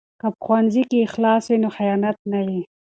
که په ښوونځي کې اخلاص وي نو خیانت نه وي.